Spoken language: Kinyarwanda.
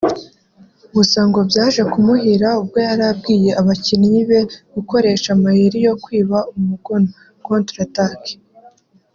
Gusa ngo byaje kumuhira ubwo yari abwiye abakinnyi be gukoresha amayeri yo kwiba umugono (Contre-Attaques)